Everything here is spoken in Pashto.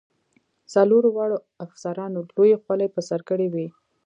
څلورو واړو افسرانو لویې خولۍ په سر کړې وې.